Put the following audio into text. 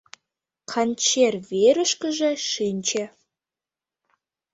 Канчер верышкыже шинче.